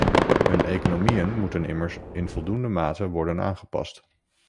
Hun economieën moeten immers in voldoende mate worden aangepast.